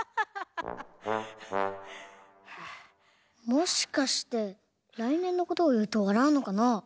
もしかして来年の事を言うと笑うのかな？